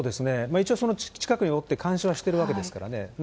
一応、その近くにおって、監視はしているわけですからね。